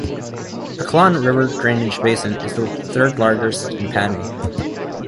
Aklan River drainage basin is the third largest in Panay.